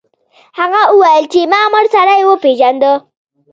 هغه وویل چې ما مړ سړی وپیژنده.